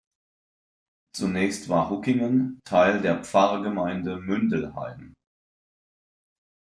Zunächst war Huckingen Teil der Pfarrgemeinde Mündelheim.